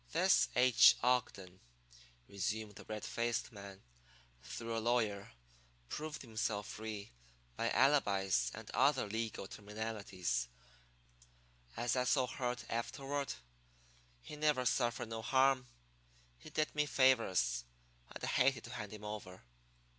"This H. Ogden," resumed the red faced man, "through a lawyer, proved himself free by alibis and other legal terminalities, as I so heard afterward. He never suffered no harm. He did me favors, and I hated to hand him over."